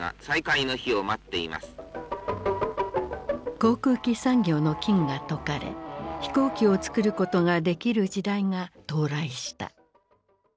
航空機産業の禁が解かれ飛行機をつくることができる時代が到来した。